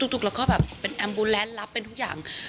ทุกแล้วก็แบบเป็นแอมบูแลนด์รับเป็นทุกอย่าง